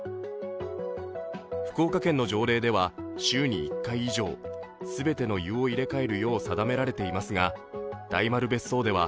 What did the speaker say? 福岡県の条例では、週に１回以上全ての湯を入れ替えるよう定められていますが、大丸別荘では